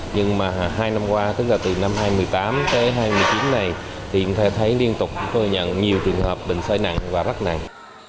nhưng mà hai năm qua tức là từ năm hai nghìn một mươi tám tới hai nghìn một mươi chín này thì cũng thấy liên tục có nhận nhiều trường hợp bệnh sởi nặng và rất nặng